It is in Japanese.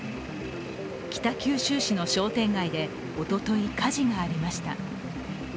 北九州市の商店街でおととい、火事がありました。